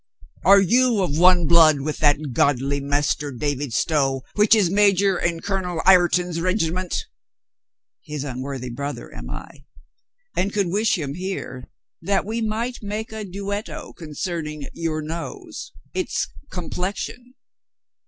"Are you of one blood with that godly Master David Stow which is major in Colonel Ireton's regiment?" "His unworthy brother am I. And could wish him here, that we might make a duetto concerning your nose, its complexion.